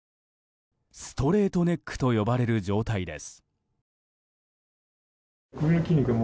ストレートネックと呼ばれる状態です。